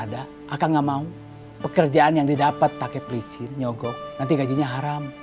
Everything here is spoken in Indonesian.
maka gak mau pekerjaan yang didapat pake pelicin nyogok nanti gajinya haram